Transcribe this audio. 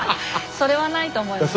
それはないと思います。